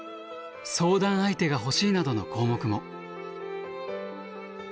「相談相手が欲しい」などの項目も。